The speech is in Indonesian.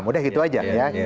udah gitu aja ya